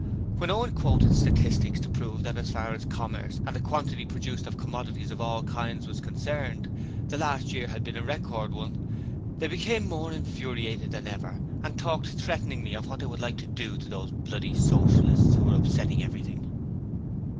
When Owen quoted statistics to prove that as far as commerce and the quantity produced of commodities of all kinds was concerned, the last year had been a record one, they became more infuriated than ever, and talked threateningly of what they would like to do to those bloody Socialists who were upsetting everything.